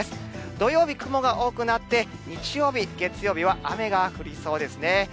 土曜日、雲が多くなって、日曜日、月曜日は雨が降りそうですね。